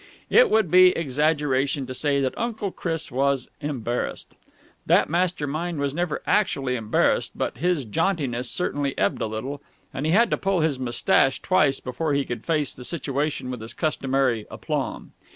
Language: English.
It would be exaggeration to say that Uncle Chris was embarrassed. That master mind was never actually embarrassed. But his jauntiness certainly ebbed a little, and he had to pull his moustache twice before he could face the situation with his customary aplomb.